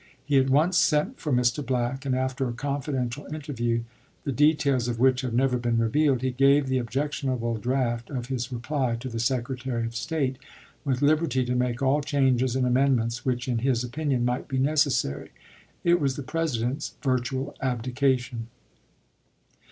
He at once sent for Mr. Black; and after a confidential interview, the details of which have never been revealed, he gave the objectionable draft of his reply to the Secretary of State, with liberty to make all changes and amendments which in his opinion might be necessary. It was the Presi dent's virtual abdication.